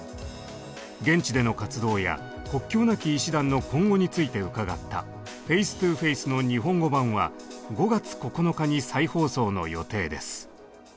現地での活動や国境なき医師団の今後について伺った「ＦａｃｅＴｏＦａｃｅ」の日本語版は５月９日に再放送の予定です。